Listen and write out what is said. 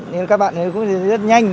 nên các bạn cũng rất nhanh